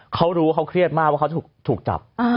เขารู้ว่าเขาเครียดมากว่าเขาถูกจับ